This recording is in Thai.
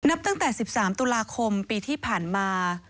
นับตั้งแต่๑๓ตุลาคมปีที่ผ่านมา